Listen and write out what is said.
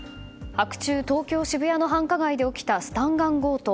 白昼、東京・渋谷の繁華街で起きたスタンガン強盗。